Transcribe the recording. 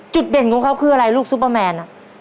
เด่นของเขาคืออะไรลูกซุปเปอร์แมน